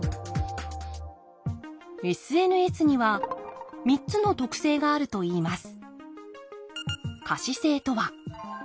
ＳＮＳには３つの特性があるといいます